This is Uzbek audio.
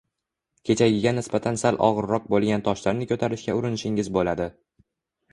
kechagiga nisbatan sal og’irroq bo’lgan toshlarni ko’tarishga urinishingiz bo’ladi